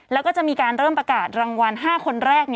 แล้วก็จะมีการเริ่มประกาศรางวัล๕คนแรก